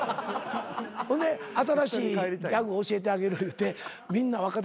ほんで新しいギャグ教えてあげる言うてみんな若手捕まって。